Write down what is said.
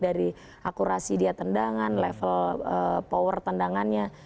dari akurasi dia tendangan level power tendangannya